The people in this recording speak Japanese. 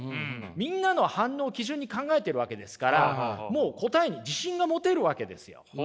みんなの反応を基準に考えてるわけですからもう答えに自信が持てるわけですよ。